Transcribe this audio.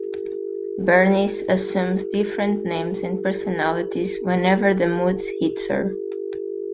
Bernice assumes different names and personalities whenever the mood hits her.